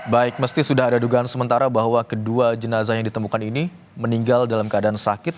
baik mesti sudah ada dugaan sementara bahwa kedua jenazah yang ditemukan ini meninggal dalam keadaan sakit